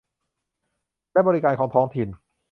และบริการของท้องถิ่น